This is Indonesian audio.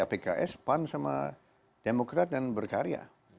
pks pan sama demokrat dan berkarya